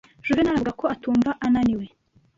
Juvenali avuga ko atumva ananiwe.